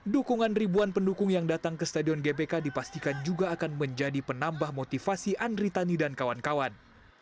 dukungan ribuan pendukung yang datang ke stadion gbk dipastikan juga akan menjadi penambah motivasi andri tani dan kawan kawan